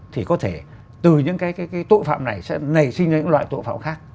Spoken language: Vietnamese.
thì có thể từ những cái tội phạm này sẽ nảy sinh ra những loại tội phạm khác